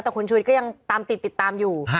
แต่คุณชุวิตก็ยังตามติดติดตามอยู่